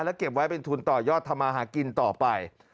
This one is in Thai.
เก็บไว้เป็นทุนต่อยอดทำมาหากินต่อไป